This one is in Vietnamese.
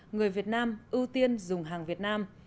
người việt nam ưu tiên dùng hàng việt nam